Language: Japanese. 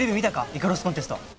イカロスコンテスト。